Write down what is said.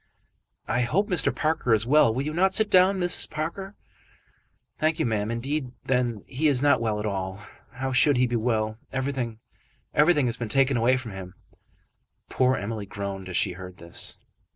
"I hope Mr. Parker is well. Will you not sit down, Mrs. Parker?" "Thank you, ma'am. Indeed, then, he is not well at all. How should he be well? Everything, everything has been taken away from him." Poor Emily groaned as she heard this.